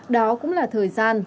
đó cũng là thời gian